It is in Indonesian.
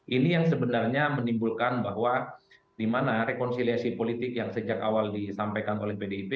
ini yang sebenarnya menimbulkan bahwa di mana rekonsiliasi politik yang sejak awal disampaikan oleh pdip